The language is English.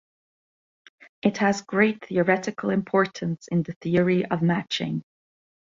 It has great theoretical importance in the theory of matching.